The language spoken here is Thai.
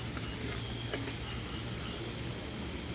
เพื่อให้ระยะแข็งตรวมกลับ